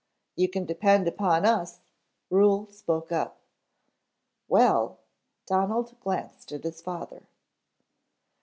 "You can depend upon us," Ruhel spoke up. "Well " Donald glanced at his father.